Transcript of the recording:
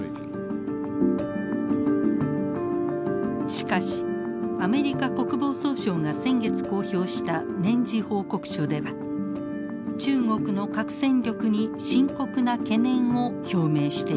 しかしアメリカ国防総省が先月公表した年次報告書では中国の核戦力に深刻な懸念を表明しています。